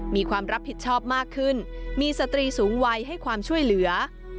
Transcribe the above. มีความรับผิดชอบมากขึ้นมีสตรีสูงวัยให้ความช่วยเหลือ